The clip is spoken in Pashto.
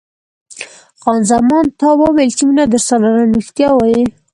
خان زمان: تا وویل چې مینه درسره لرم، رښتیا وایې؟